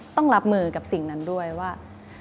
ต้องรับมือกับสิ่งนั้นด้วยว่า